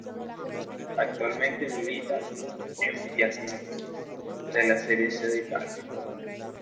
Actualmente milita en Piacenza de la Serie C de Italia.